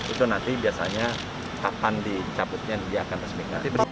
itu nanti biasanya kapan dicabutnya dia akan resmi nanti